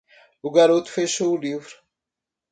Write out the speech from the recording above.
O garoto fechou o livro.